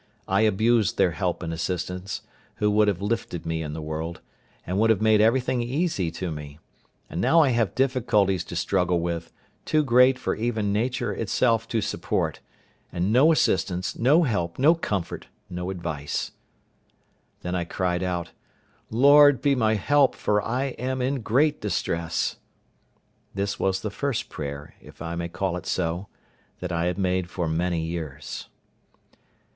I abused their help and assistance, who would have lifted me in the world, and would have made everything easy to me; and now I have difficulties to struggle with, too great for even nature itself to support, and no assistance, no help, no comfort, no advice." Then I cried out, "Lord, be my help, for I am in great distress." This was the first prayer, if I may call it so, that I had made for many years.